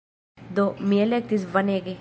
Do, mi elektis Vanege!